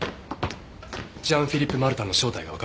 ジャン・フィリップ・マルタンの正体がわかりました。